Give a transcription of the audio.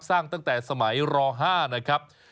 สร้างตั้งแต่สมัยร๕นะครับ